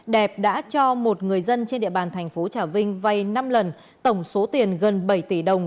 đẹp đã cho một người dân trên địa bàn thành phố trà vinh vay năm lần tổng số tiền gần bảy tỷ đồng